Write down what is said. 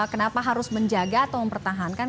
kenapa harus menjaga atau mempertahankan